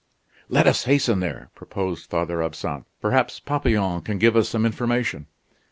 "Let us hasten there!" proposed Father Absinthe; "perhaps Papillon can give us some information."